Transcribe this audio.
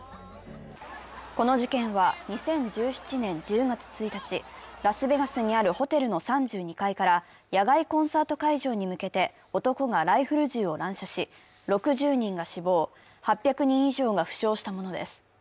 この事件は２０１７年１０月１日、ラスベガスにあるホテルの３２階から野外コンサート会場に向けて男がライフル銃を乱射し、６０人が死亡、８００人以上が負傷したものです。